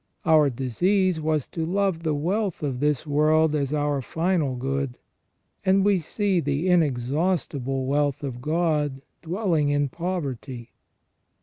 Our disease was to love the wealth of this world as our final good, and we see the inexhaustible wealth of God dwelling in poverty.